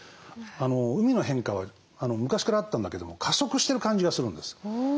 海の変化は昔からあったんだけども加速してる感じがするんです。